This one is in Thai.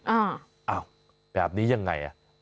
อ้าวแบบนี้ยังไงอ่ะ